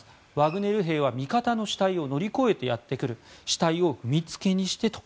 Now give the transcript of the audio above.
ワグネル兵は味方の死体を乗り越えてやってくる死体を踏みつけにしてと。